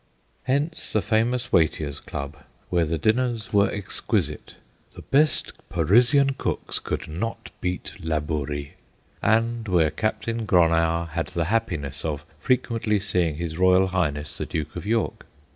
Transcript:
Hence the famous Watier's Club, where the dinners were exquisite ' the best Paris ian cooks could not beat Labourie' and GEORGE BRUMMELL 43 where Captain Gronow had the happiness of frequently seeing his Royal Highness the Duke of York.